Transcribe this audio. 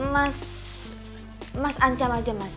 mas mas ancam aja mas